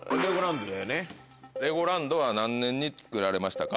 レゴランドは何年に造られましたか？